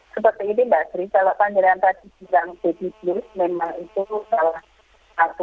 seperti ini mbak sri jawaban di rantai yang dikirim memang itu